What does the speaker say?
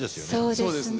そうですね。